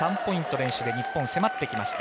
連取で日本、迫ってきました。